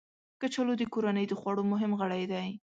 کچالو د کورنۍ د خوړو مهم غړی دی